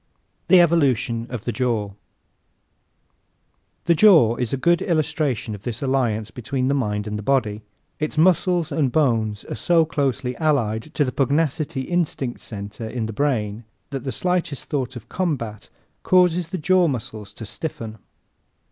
The Evolution of the Jaw ¶ The jaw is a good illustration of this alliance between the mind and the body. Its muscles and bones are so closely allied to the pugnacity instinct center in the brain that the slightest thought of combat causes the jaw muscles to stiffen.